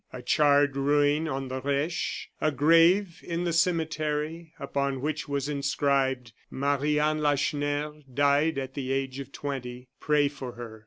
A charred ruin on the Reche. A grave in the cemetery, upon which was inscribed: "Marie Anne Lacheneur, died at the age of twenty. Pray for her!"